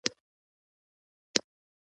څانگه خپل ځای ته ورغله.